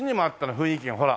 雰囲気がほら。